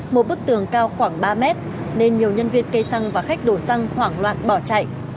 một bức tường cao khoảng ba mét nên nhiều nhân viên cây xăng và khách đổ xăng hoảng loạn bỏ chạy